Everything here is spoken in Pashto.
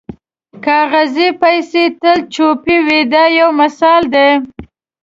کاغذي پیسې تل چوپې وي دا یو مثال دی.